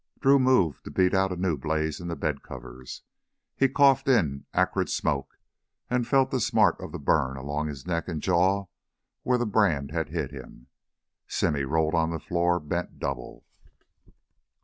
Drew moved to beat out a new blaze in the bedcovers. He coughed in acrid smoke and felt the smart of the burn along his neck and jaw where the brand had hit him. Simmy rolled on the floor, bent double.